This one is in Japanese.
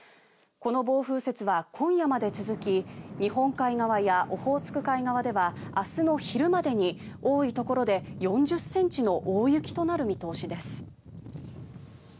この暴風雪は今夜まで続き日本海側やオホーツク海側では明日の昼までに多いところで４０ｃｍの大雪となる見通しです。